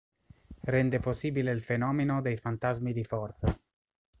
Rende possibile il fenomeno dei Fantasmi di Forza.